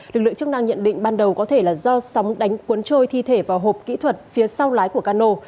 lực lượng chức năng nhận định ban đầu có thể là do sóng đánh cuốn trôi thi thể vào hộp kỹ thuật phía sau lái của cano